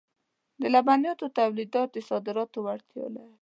د لبنیاتو تولیدات د صادراتو وړتیا لري.